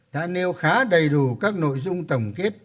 đã nêu khá đầy đủ các nội dung tổng kết